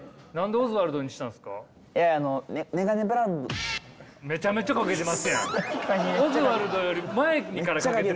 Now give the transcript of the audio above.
オズワルドより前からかけてますよ。